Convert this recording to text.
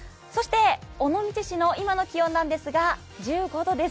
尾道市の今の気温なんですが、１５度です。